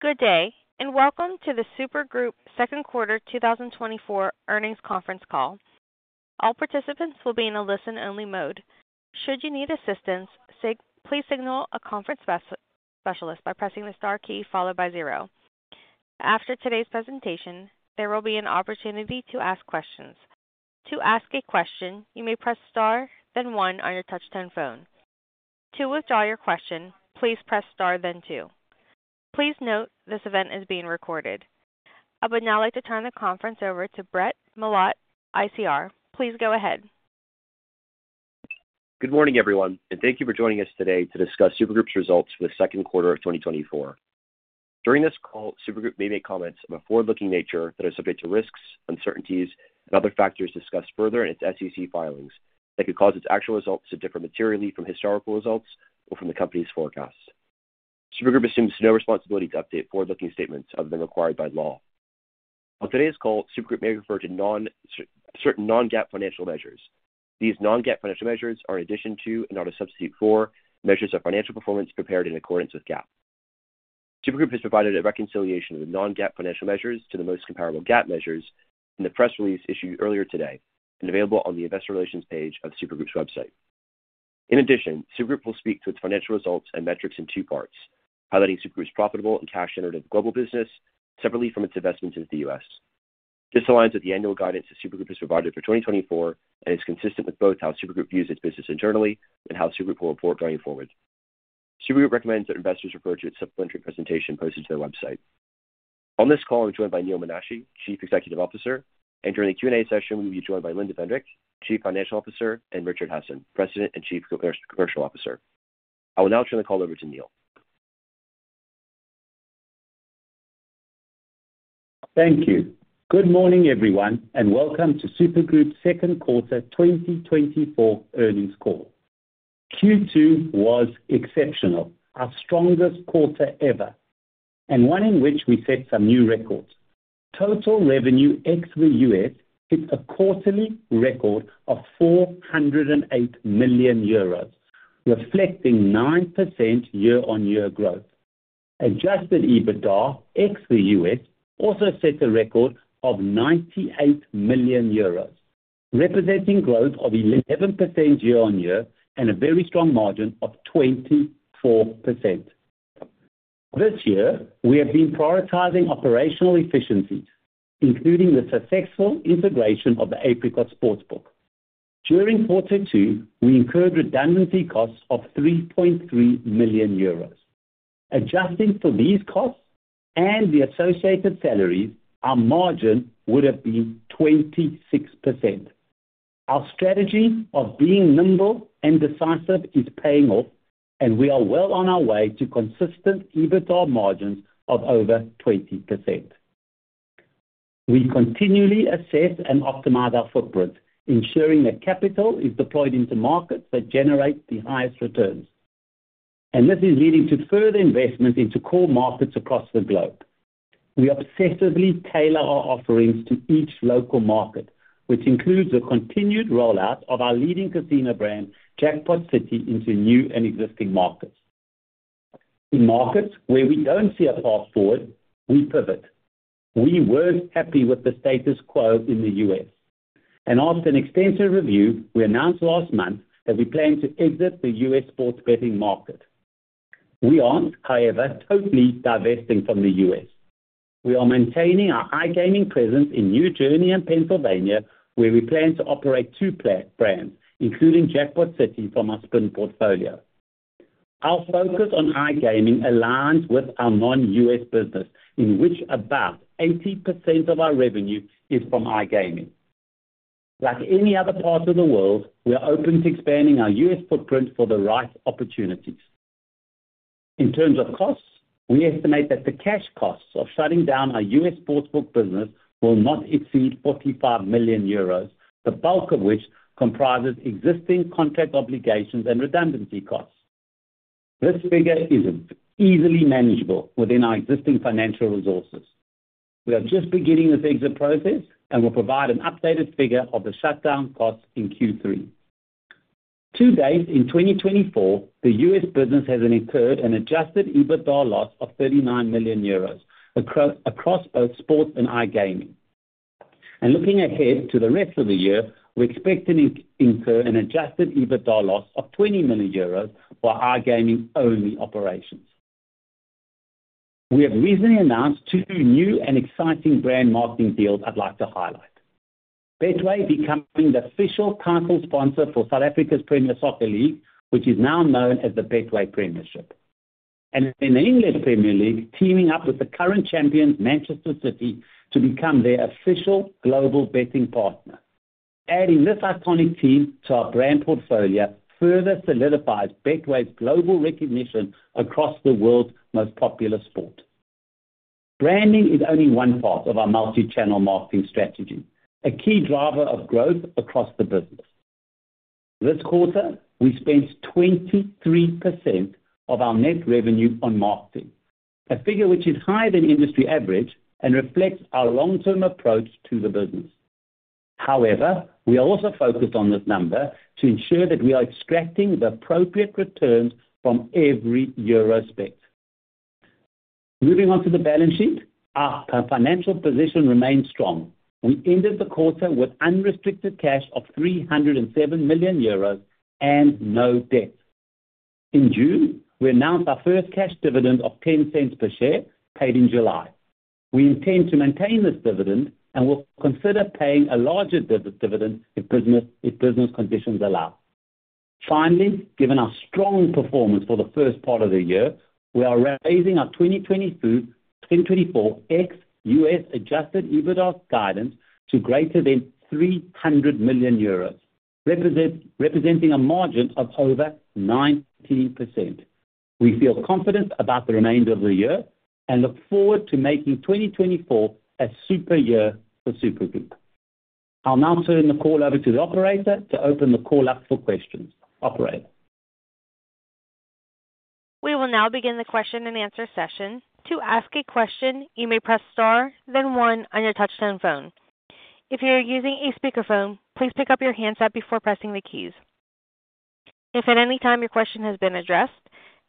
Good day, and welcome to the Super Group second quarter 2024 earnings conference call. All participants will be in a listen-only mode. Should you need assistance, please signal a conference specialist by pressing the star key followed by 0. After today's presentation, there will be an opportunity to ask questions. To ask a question, you may press Star, then 1 on your touchtone phone. To withdraw your question, please press Star then 2. Please note, this event is being recorded. I would now like to turn the conference over to Brett Milotte, ICR. Please go ahead. Good morning, everyone, and thank you for joining us today to discuss Super Group's results for the second quarter of 2024. During this call, Super Group may make comments of a forward-looking nature that are subject to risks, uncertainties and other factors discussed further in its SEC filings that could cause its actual results to differ materially from historical results or from the company's forecasts. Super Group assumes no responsibility to update forward-looking statements other than required by law. On today's call, Super Group may refer to certain non-GAAP financial measures. These non-GAAP financial measures are in addition to, and not a substitute for, measures of financial performance prepared in accordance with GAAP. Super Group has provided a reconciliation of the non-GAAP financial measures to the most comparable GAAP measures in the press release issued earlier today and available on the Investor Relations page of Super Group's website. In addition, Super Group will speak to its financial results and metrics in two parts: highlighting Super Group's profitable and cash-generative global business separately from its investments in the US. This aligns with the annual guidance that Super Group has provided for 2024 and is consistent with both how Super Group views its business internally and how Super Group will report going forward. Super Group recommends that investors refer to its supplementary presentation posted to their website. On this call, we're joined by Neal Menashe, Chief Executive Officer, and during the Q&A session, we will be joined by Alinda van Wyk, Chief Financial Officer, and Richard Hasson, President and Chief Commercial Officer. I will now turn the call over to Neal. Thank you. Good morning, everyone, and welcome to Super Group's second quarter 2024 earnings call. Q2 was exceptional, our strongest quarter ever, and one in which we set some new records. Total revenue ex the US hit a quarterly record of 408 million euros, reflecting 9% year-on-year growth. Adjusted EBITDA, ex the US, also set a record of 98 million euros, representing growth of 11% year-on-year and a very strong margin of 24%. This year, we have been prioritizing operational efficiencies, including the successful integration of the Apricot sportsbook. During quarter two, we incurred redundancy costs of 3.3 million euros. Adjusting for these costs and the associated salaries, our margin would have been 26%. Our strategy of being nimble and decisive is paying off, and we are well on our way to consistent EBITDA margins of over 20%. We continually assess and optimize our footprint, ensuring that capital is deployed into markets that generate the highest returns, and this is leading to further investment into core markets across the globe. We obsessively tailor our offerings to each local market, which includes the continued rollout of our leading casino brand, Jackpot City, into new and existing markets. In markets where we don't see a path forward, we pivot. We weren't happy with the status quo in the U.S., and after an extensive review, we announced last month that we plan to exit the U.S. sports betting market. We aren't, however, totally divesting from the U.S. We are maintaining our iGaming presence in New Jersey and Pennsylvania, where we plan to operate two brands, including Jackpot City from our Spin portfolio. Our focus on iGaming aligns with our non-US business, in which about 80% of our revenue is from iGaming. Like any other part of the world, we are open to expanding our US footprint for the right opportunities. In terms of costs, we estimate that the cash costs of shutting down our US sportsbook business will not exceed 45 million euros, the bulk of which comprises existing contract obligations and redundancy costs. This figure is easily manageable within our existing financial resources. We are just beginning this exit process and will provide an updated figure of the shutdown costs in Q3. To date, in 2024, the US business has incurred an Adjusted EBITDA loss of 39 million euros across both sports and iGaming. Looking ahead to the rest of the year, we expect to incur an Adjusted EBITDA loss of 20 million euros for iGaming-only operations. We have recently announced two new and exciting brand marketing deals I'd like to highlight. Betway becoming the official title sponsor for South Africa's Premier Soccer League, which is now known as the Betway Premiership. And in the English Premier League, teaming up with the current champions, Manchester City, to become their official global betting partner. Adding this iconic team to our brand portfolio further solidifies Betway's global recognition across the world's most popular sport. Branding is only one part of our multi-channel marketing strategy, a key driver of growth across the business. This quarter, we spent 23% of our net revenue on marketing, a figure which is higher than industry average and reflects our long-term approach to the business. However, we are also focused on this number to ensure that we are extracting the appropriate returns from every euro spent. Moving on to the balance sheet, our financial position remains strong. We ended the quarter with unrestricted cash of 307 million euros and no debt. In June, we announced our first cash dividend of $0.10 per share, paid in July. We intend to maintain this dividend and will consider paying a larger dividend if business conditions allow. Finally, given our strong performance for the first part of the year, we are raising our 2024 ex US adjusted EBITDA guidance to greater than 300 million euros, representing a margin of over 90%. We feel confident about the remainder of the year and look forward to making 2024 a super year for Super Group. I'll now turn the call over to the operator to open the call up for questions. Operator? We will now begin the question-and-answer session. To ask a question, you may press star then one on your touchtone phone. If you're using a speakerphone, please pick up your handset before pressing the keys. If at any time your question has been addressed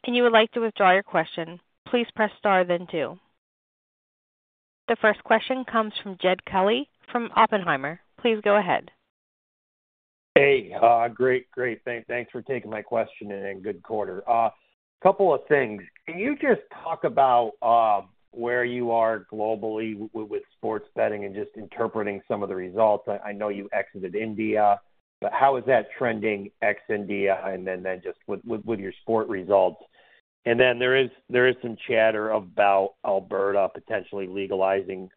and you would like to withdraw your question, please press star then two. The first question comes from Jed Kelly from Oppenheimer. Please go ahead. Hey, great, great. Thanks for taking my question and good quarter. Couple of things: Can you just talk about where you are globally with sports betting and just interpreting some of the results? I know you exited India, but how is that trending ex-India, and then just with your sport results? And then there is some chatter about Alberta potentially legalizing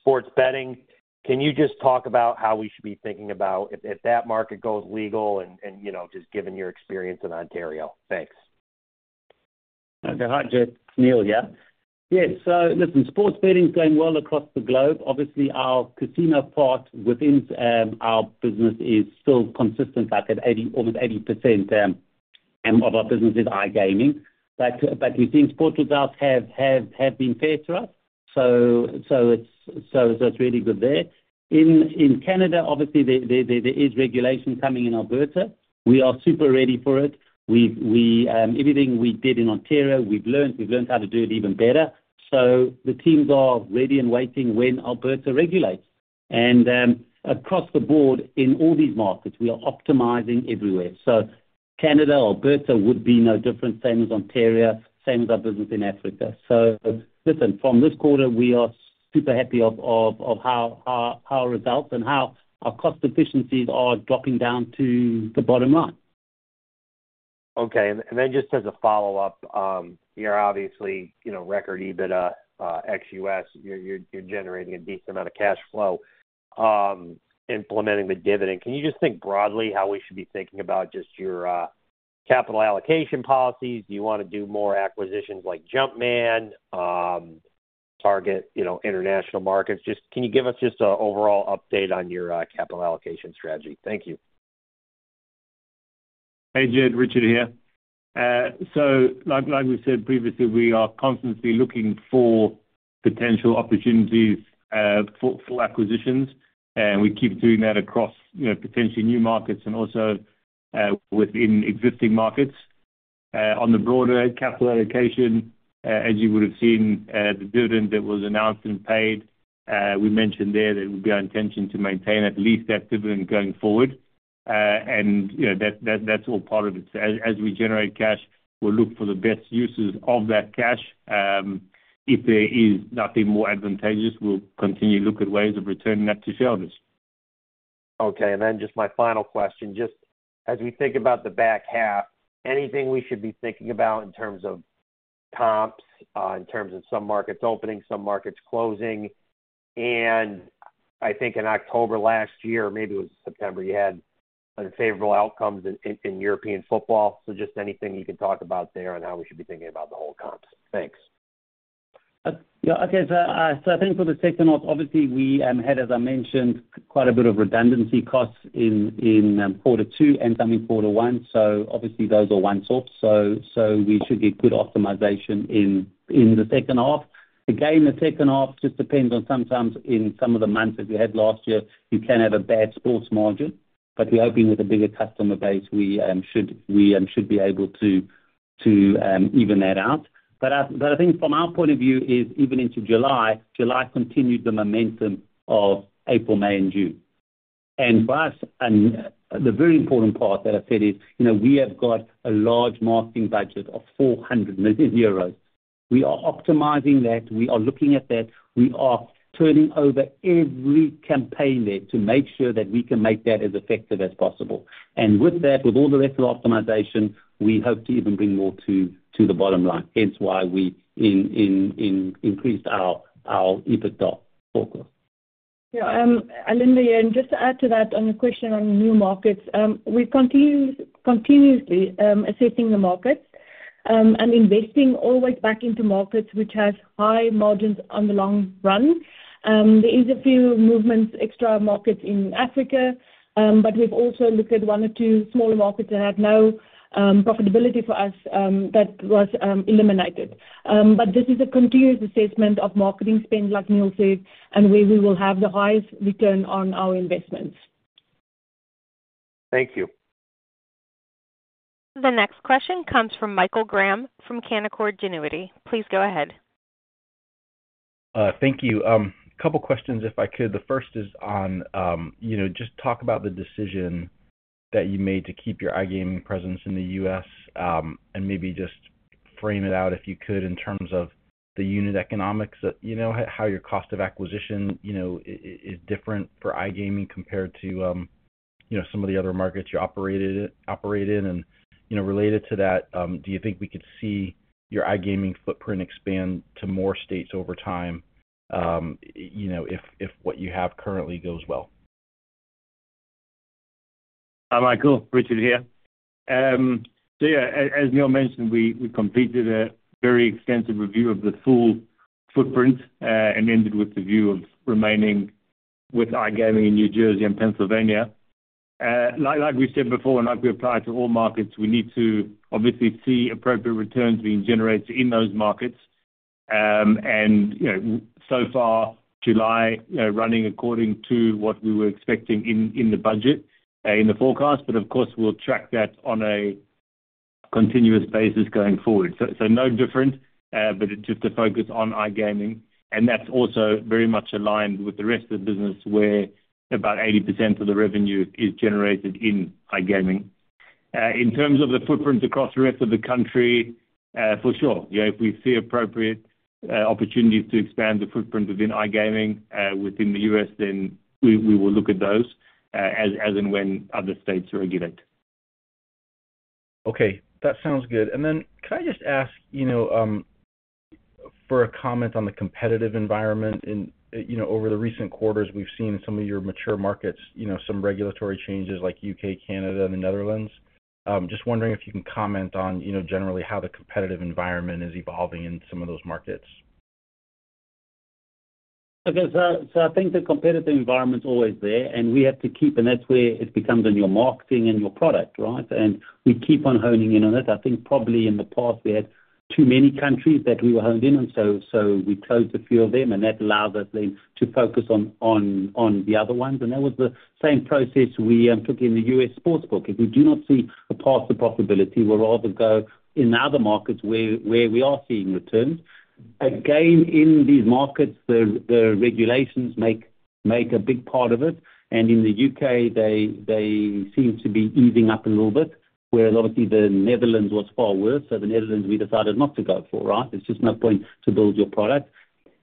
sports betting. Can you just talk about how we should be thinking about if that market goes legal and you know, just given your experience in Ontario? Thanks. Hi, Jed. It's Neal here. Yes, so listen, sports betting is going well across the globe. Obviously, our casino part within our business is still consistent, like, at 80, almost 80% of our business is iGaming. But we've seen sports results have been fair to us, so it's really good there. In Canada, obviously, there is regulation coming in Alberta. We are super ready for it. We've everything we did in Ontario, we've learned. We've learned how to do it even better. So the teams are ready and waiting when Alberta regulates. And across the board, in all these markets, we are optimizing everywhere. So Canada, Alberta would be no different, same as Ontario, same as our business in Africa. So listen, from this quarter, we are super happy of how our results and how our cost efficiencies are dropping down to the bottom line. Okay. And then just as a follow-up, you're obviously, you know, record EBITDA ex-US. You're, you're, you're generating a decent amount of cash flow, implementing the dividend. Can you just think broadly how we should be thinking about just your capital allocation policies? Do you want to do more acquisitions like Jumpman, target, you know, international markets? Just can you give us just a overall update on your capital allocation strategy? Thank you. Hey, Jed, Richard here. So like, like we said previously, we are constantly looking for potential opportunities for acquisitions, and we keep doing that across, you know, potentially new markets and also within existing markets. On the broader capital allocation, as you would have seen, the dividend that was announced and paid, we mentioned there that it would be our intention to maintain at least that dividend going forward. And, you know, that's all part of it. As we generate cash, we'll look for the best uses of that cash. If there is nothing more advantageous, we'll continue to look at ways of returning that to shareholders. Okay, and then just my final question, just as we think about the back half, anything we should be thinking about in terms of comps, in terms of some markets opening, some markets closing? And I think in October last year, maybe it was September, you had unfavorable outcomes in, in European football. So just anything you can talk about there on how we should be thinking about the whole comps? Thanks. Yeah. Okay, so I think for the second half, obviously we had, as I mentioned, quite a bit of redundancy costs in quarter two and some in quarter one, so obviously those are one-offs, so we should get good optimization in the second half. Again, the second half just depends on sometimes in some of the months, as we had last year, you can have a bad sports margin, but we're hoping with a bigger customer base, we should be able to even that out. But I think from our point of view is even into July, July continued the momentum of April, May and June. And for us, the very important part that I said is, you know, we have got a large marketing budget of 400 million euros. We are optimizing that. We are looking at that. We are turning over every campaign there to make sure that we can make that as effective as possible. And with that, with all the rest of the optimization, we hope to even bring more to the bottom line, hence why we increased our EBITDA focus. Yeah, Alinda here, and just to add to that on your question on new markets, we're continuously assessing the markets, and investing always back into markets which have high margins on the long run. There is a few movements, extra markets in Africa, but we've also looked at one or two smaller markets that had no profitability for us, that was eliminated. But this is a continuous assessment of marketing spend, like Neal said, and where we will have the highest return on our investments. Thank you. The next question comes from Michael Graham from Canaccord Genuity. Please go ahead. Thank you. Couple questions, if I could. The first is on, you know, just talk about the decision that you made to keep your iGaming presence in the U.S., and maybe just frame it out, if you could, in terms of the unit economics that you know, how your cost of acquisition, you know, is different for iGaming compared to, you know, some of the other markets you operated, operate in. And, you know, related to that, do you think we could see your iGaming footprint expand to more states over time, you know, if what you have currently goes well? Hi, Michael. Richard here. So yeah, as Neal mentioned, we completed a very extensive review of the full footprint, and ended with the view of remaining with iGaming in New Jersey and Pennsylvania. Like we said before, and like we apply to all markets, we need to obviously see appropriate returns being generated in those markets. And, you know, so far, July running according to what we were expecting in the budget, in the forecast. But of course, we'll track that on a continuous basis going forward. So no different, but just to focus on iGaming, and that's also very much aligned with the rest of the business, where about 80% of the revenue is generated in iGaming. In terms of the footprint across the rest of the country, for sure, you know, if we see appropriate opportunities to expand the footprint within iGaming within the U.S., then we will look at those as and when other states are given. Okay, that sounds good. And then can I just ask, you know, for a comment on the competitive environment in— You know, over the recent quarters, we've seen some of your mature markets, you know, some regulatory changes like U.K., Canada, and the Netherlands. Just wondering if you can comment on, you know, generally how the competitive environment is evolving in some of those markets. Okay. So I think the competitive environment's always there, and we have to keep... And that's where it becomes in your marketing and your product, right? And we keep on honing in on it. I think probably in the past we had too many countries that we were honed in on, so we closed a few of them, and that allowed us then to focus on the other ones. And that was the same process we took in the U.S. sportsbook. If we do not see a path to profitability, we'll rather go in other markets where we are seeing returns. Again, in these markets, the regulations make a big part of it, and in the U.K., they seem to be easing up a little bit, where a lot of the Netherlands was far worse. So the Netherlands, we decided not to go for, right? There's just no point to build your product.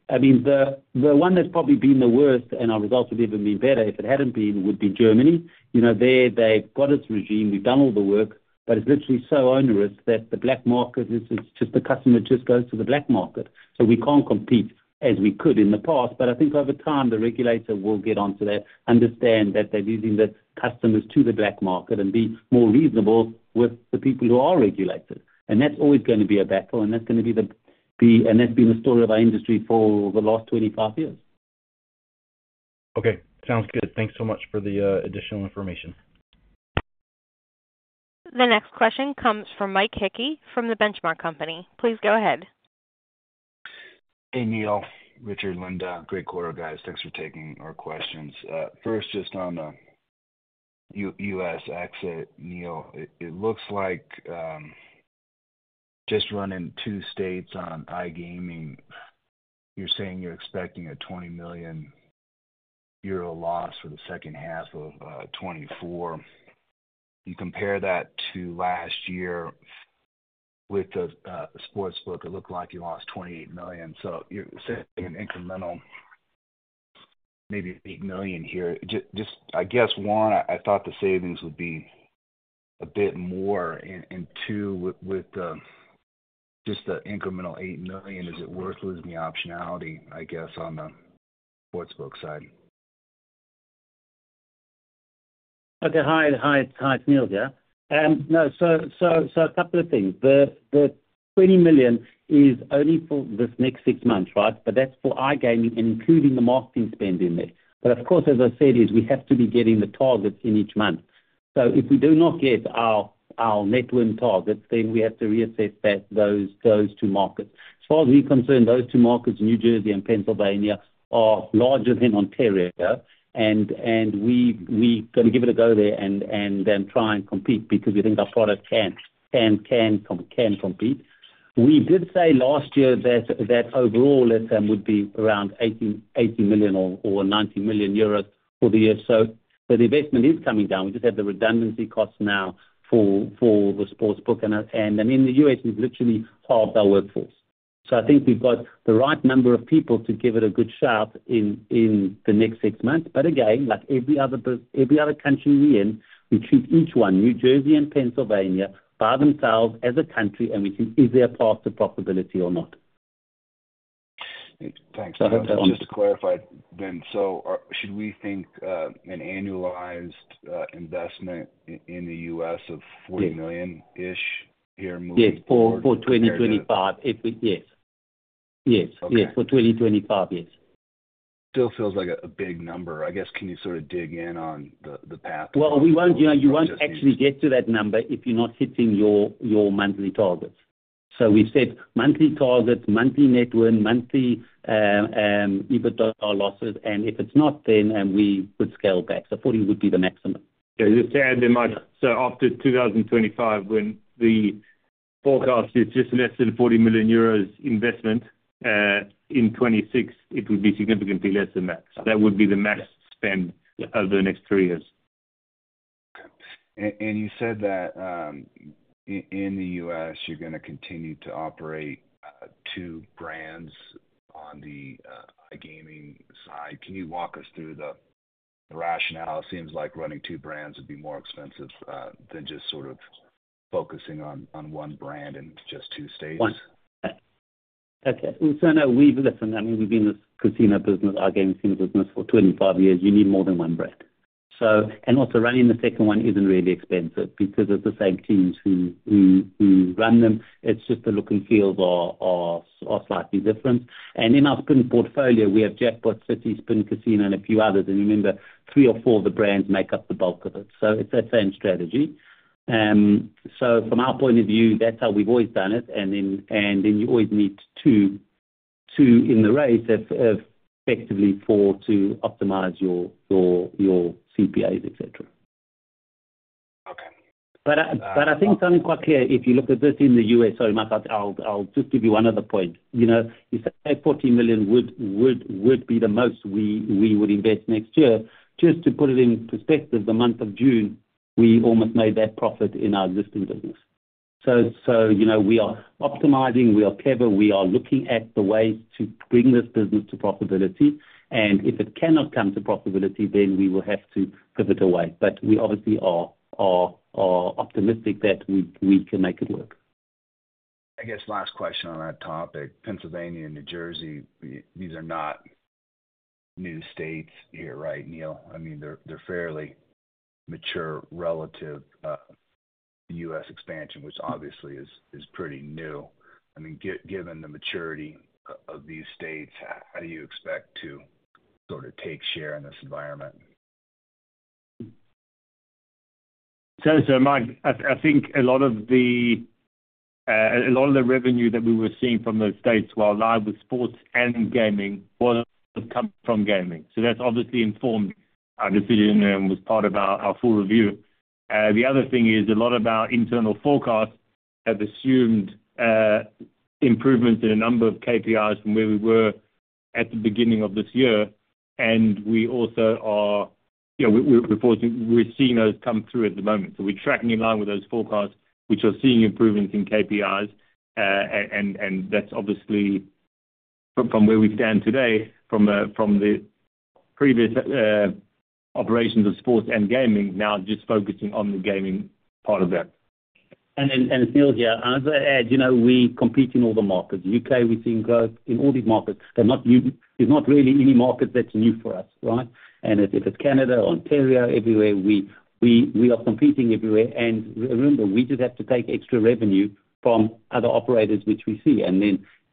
I mean, the one that's probably been the worst, and our results would even been better if it hadn't been, would be Germany. You know, there, they've got its regime, we've done all the work, but it's literally so onerous that the black market is just, the customer just goes to the black market, so we can't compete as we could in the past. But I think over time, the regulator will get onto that, understand that they're losing the customers to the black market and be more reasonable with the people who are regulated. And that's always gonna be a battle, and that's gonna be the, and that's been the story of our industry for the last 25 years. Okay. Sounds good. Thanks so much for the additional information. The next question comes from Mike Hickey from the Benchmark Company. Please go ahead. Hey, Neal, Richard, Alinda. Great quarter, guys. Thanks for taking our questions. First, just on the U.S. exit, Neal, it looks like just running two states on iGaming, you're saying you're expecting a 20 million euro loss for the second half of 2024. You compare that to last year with the sportsbook, it looked like you lost 28 million. So you're saying an incremental, maybe 8 million here. Just I guess, one, I thought the savings would be a bit more. And two, with just the incremental 8 million, is it worth losing the optionality, I guess, on the sportsbook side? Okay, hi, hi, hi, it's Neal here. No, so a couple of things. The twenty million is only for this next six months, right? But that's for iGaming, including the marketing spend in there. But of course, as I said, we have to be getting the targets in each month. So if we do not get our net win targets, then we have to reassess those two markets. As far as we're concerned, those two markets, New Jersey and Pennsylvania, are larger than Ontario, and we gonna give it a go there and then try and compete because we think our product can compete. We did say last year that overall item would be around 80 million or 90 million euros for the year. So the investment is coming down. We just have the redundancy costs now for the sportsbook. And in the US, we've literally halved our workforce. So I think we've got the right number of people to give it a good shot in the next six months. But again, like every other country we in, we treat each one, New Jersey and Pennsylvania, by themselves as a country, and we think, is there a path to profitability or not? Thanks. Just to clarify then, so should we think an annualized investment in the U.S. of $40 million-ish here, moving- Yes, for 2025, if we... Yes. Yes. Okay. Yes, for 2025, yes. Still feels like a big number. I guess, can you sort of dig in on the path? Well, we won't, you know, you won't actually get to that number if you're not hitting your monthly targets. So we've set monthly targets, monthly net win, monthly EBITDA losses, and if it's not, then we would scale back. So 40 would be the maximum. Okay, just to add in, Mike, so after 2025, when the forecast is just less than 40 million euros investment, in 2026, it would be significantly less than that. That would be the max spend- Yeah. over the next three years. And you said that in the U.S., you're gonna continue to operate two brands on the iGaming side. Can you walk us through the rationale? It seems like running two brands would be more expensive than just sort of focusing on one brand in just two states. One. Okay. Well, so no, we've, listen, I mean, we've been in this casino business, iGaming casino business for 25 years. You need more than one brand. So, and also, running the second one isn't really expensive because it's the same teams who run them. It's just the look and feels are slightly different. And in our Spin portfolio, we have Jackpot City, Spin Casino, and a few others. And remember, three or four of the brands make up the bulk of it, so it's that same strategy. So from our point of view, that's how we've always done it, and then you always need two in the race of effectively four to optimize your CPAs, et cetera. Okay. But I think something quite clear, if you look at this in the U.S., so Mark, I'll just give you one other point. You know, you say $40 million would be the most we would invest next year. Just to put it in perspective, the month of June, we almost made that profit in our existing business. So, you know, we are optimizing, we are clever, we are looking at the ways to bring this business to profitability, and if it cannot come to profitability, then we will have to pivot away. But we obviously are optimistic that we can make it work. I guess last question on that topic. Pennsylvania and New Jersey, these are not new states here, right, Neal? I mean, they're fairly mature relative to U.S. expansion, which obviously is pretty new. I mean, given the maturity of these states, how do you expect to sort of take share in this environment? So, Mike, I think a lot of the revenue that we were seeing from those states while live with sports and gaming was coming from gaming. So that's obviously informed our decision and was part of our full review. The other thing is a lot of our internal forecasts have assumed improvements in a number of KPIs from where we were at the beginning of this year, and we also are. You know, we're reporting, we're seeing those come through at the moment. So we're tracking in line with those forecasts, which are seeing improvements in KPIs, and that's obviously from where we stand today, from the previous operations of sports and gaming, now just focusing on the gaming part of that. And Neal, yeah, as I said, you know, we compete in all the markets. UK, we've seen growth in all these markets. They're not new. There's not really any market that's new for us, right? And if it's Canada or Ontario, everywhere, we are competing everywhere. And remember, we just have to take extra revenue from other operators which we see.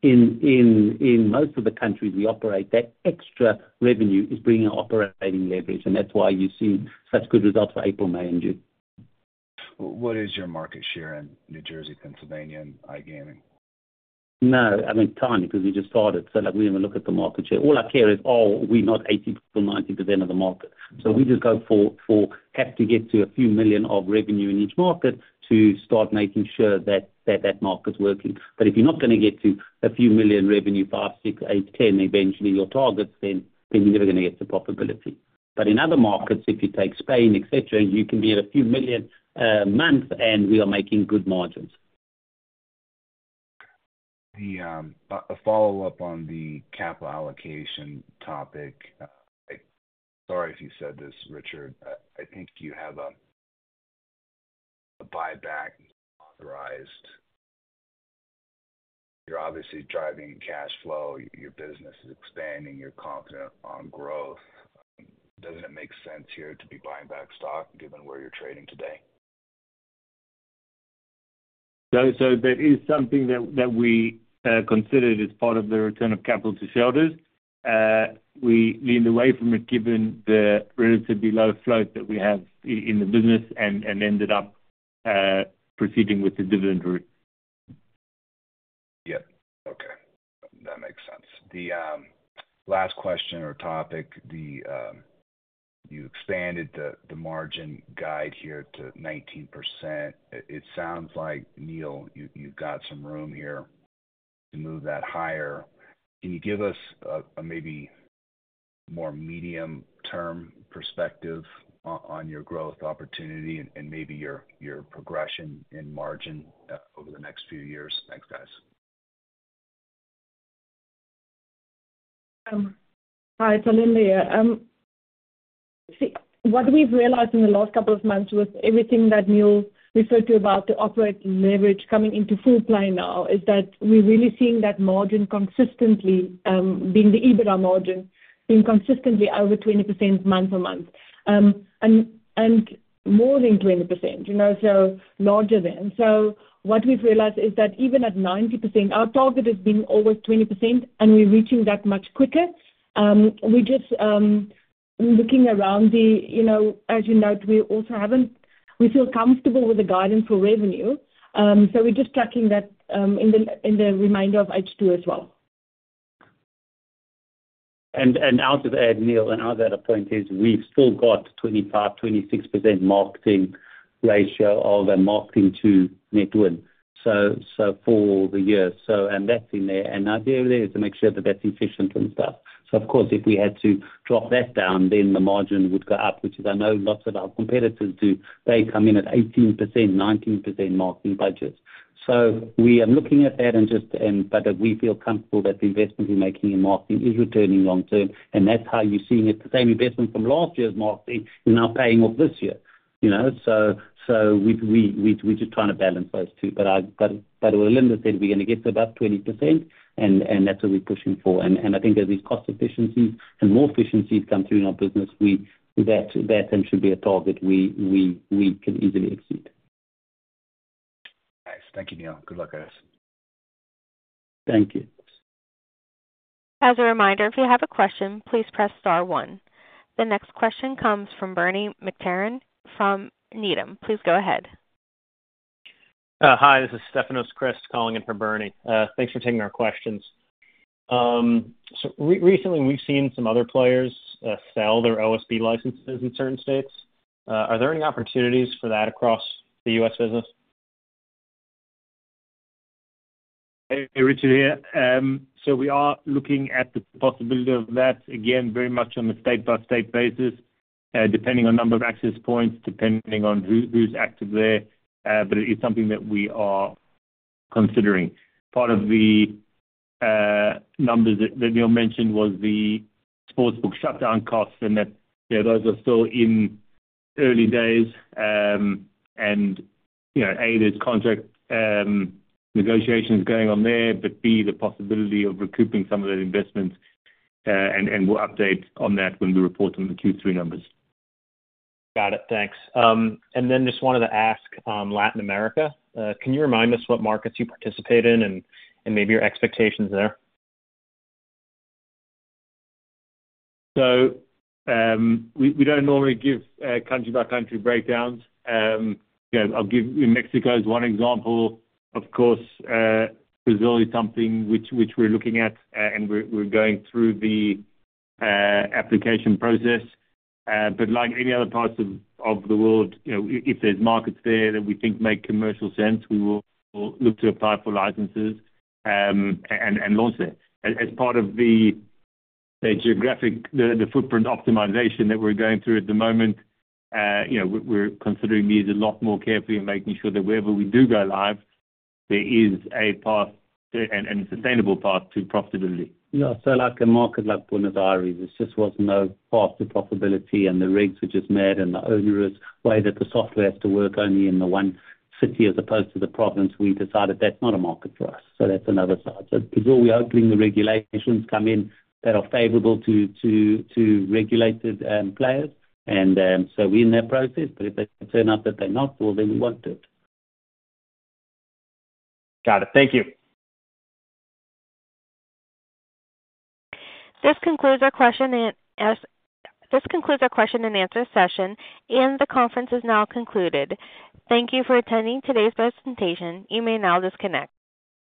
And then in most of the countries we operate, that extra revenue is bringing operating leverage, and that's why you've seen such good results for April, May, and June. What is your market share in New Jersey, Pennsylvania, and iGaming? No, I mean, tiny, because we just started. So like, we haven't looked at the market share. All I care is, are we not 80%-90% of the market? So we just go for, for cap to get to a few million EUR of revenue in each market to start making sure that, that that market's working. But if you're not gonna get to a few million EUR revenue, 5, 6, 8, 10, eventually your targets, then, then you're never gonna get to profitability. But in other markets, if you take Spain, et cetera, you can be at a few million EUR per month, and we are making good margins. A follow-up on the capital allocation topic. Sorry if you said this, Richard. I think you have a buyback authorized. You're obviously driving cash flow, your business is expanding, you're confident on growth. Doesn't it make sense here to be buying back stock given where you're trading today? So there is something that we considered as part of the return of capital to shareholders. We leaned away from it, given the relatively low float that we have in the business and ended up proceeding with the dividend route. Yep. Okay, that makes sense. The last question or topic, you expanded the margin guide here to 19%. It sounds like, Neal, you've got some room here to move that higher. Can you give us a maybe more medium-term perspective on your growth opportunity and maybe your progression in margin over the next few years? Thanks, guys. Hi, it's Alinda here. See, what we've realized in the last couple of months with everything that Neal referred to about the operating leverage coming into full play now, is that we're really seeing that margin consistently, being the EBITDA margin, being consistently over 20% month-over-month. And more than 20%, you know, so larger than. So what we've realized is that even at 90%, our target has been always 20%, and we're reaching that much quicker. We're looking around the, you know, as you note, we also haven't we feel comfortable with the guidance for revenue, so we're just tracking that, in the remainder of H2 as well. And out of that, Neal, the point is we've still got 25%-26% marketing ratio, a marketing to net win. So for the year, and that's in there. And our deal there is to make sure that that's efficient and stuff. So of course, if we had to drop that down, then the margin would go up, which I know lots of our competitors do. They come in at 18%, 19% marketing budgets. So we are looking at that, but we feel comfortable that the investment we're making in marketing is returning long term, and that's how you're seeing it. The same investment from last year's marketing is now paying off this year, you know? So we're just trying to balance those two. But, by the way Alinda said, we're gonna get to about 20%, and that's what we're pushing for. And I think as these cost efficiencies and more efficiencies come through in our business, that then should be a target we can easily exceed. Nice. Thank you, Neal. Good luck, guys. Thank you. As a reminder, if you have a question, please press star one. The next question comes from Bernie McTernan from Needham. Please go ahead. Hi, this is Stefanos Crist calling in for Bernie. Thanks for taking our questions. So recently, we've seen some other players sell their OSB licenses in certain states. Are there any opportunities for that across the U.S. business? Hey, Richard here. So we are looking at the possibility of that, again, very much on a state-by-state basis, depending on number of access points, depending on who's active there, but it is something that we are considering. Part of the numbers that Neal mentioned was the sportsbook shutdown costs, and yeah, those are still in early days. And, you know, A, there's contract negotiations going on there, but B, the possibility of recouping some of those investments, and we'll update on that when we report on the Q3 numbers. Got it. Thanks. And then just wanted to ask, Latin America, can you remind us what markets you participate in and maybe your expectations there? So, we don't normally give country-by-country breakdowns. You know, I'll give you Mexico as one example. Of course, Brazil is something which we're looking at, and we're going through the application process. But like any other parts of the world, you know, if there's markets there that we think make commercial sense, we will look to apply for licenses, and launch that. As part of the geographic footprint optimization that we're going through at the moment, you know, we're considering these a lot more carefully and making sure that wherever we do go live, there is a path and a sustainable path to profitability. Yeah, so like a market like Buenos Aires, there just was no path to profitability, and the regs were just mad and the onerous way that the software has to work only in the one city as opposed to the province, we decided that's not a market for us, so that's another side. So because we are hoping the regulations come in that are favorable to regulated players, and so we're in that process, but if they turn out that they're not, well, then we won't do it. Got it. Thank you. This concludes our question and answer session, and the conference is now concluded. Thank you for attending today's presentation. You may now disconnect.